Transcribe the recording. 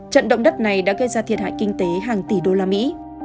trận động đất này đã gây ra thiệt hại kinh tế hàng tỷ đô la mỹ